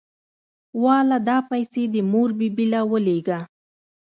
واله دا پيسې دې مور بي بي له ولېګه.